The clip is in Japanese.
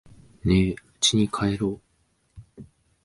ねぇ、家に帰ろう。